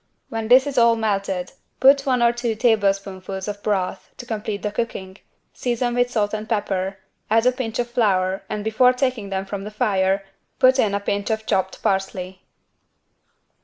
When this is all melted, put one or two tablespoonfuls of broth to complete the cooking, season with salt and pepper, add a pinch of flour and before taking them from the fire put in a pinch of chopped parsley.